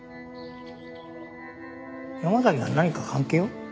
山崎が何か関係を？